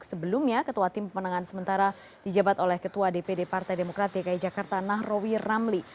sebelumnya ketua tim pemenangan sementara dijabat oleh ketua dpd partai demokrat dki jakarta nahrawi ramli